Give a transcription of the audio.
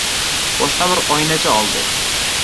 boshqa bir oynacha oldi.